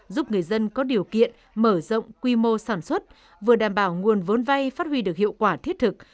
giúp người dân có điều kiện mở rộng quy mô sản xuất vừa đảm bảo nguồn vốn vay phát huy được hiệu quả thiết thực